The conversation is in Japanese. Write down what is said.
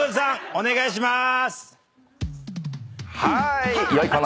お願いします。